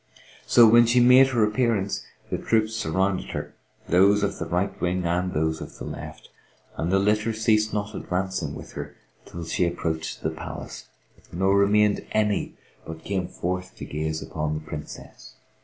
So when she made her appearance, the troops surrounded her, these of the right wing and those of the left, and the litter ceased not advancing with her till she approached the palace; nor remained any but came forth to gaze upon the Princess.